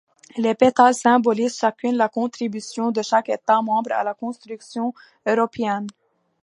Les pétales symbolises chacune la contribution de chaque État membre à la construction européenne.